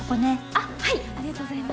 あっはいありがとうございます。